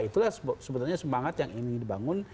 itulah sebenarnya semangat yang ingin dibangun